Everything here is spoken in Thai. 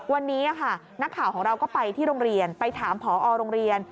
วันนี้ค่ะนักข่าวของเราก็ไปที่โรงเรียนไปถามผอโรงเรียน